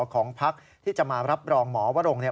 ของพ็ักษ์จะรับรองที่ขนาดนี้